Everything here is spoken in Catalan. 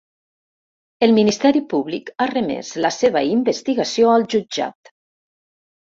El ministeri públic ha remès la seva investigació al jutjat.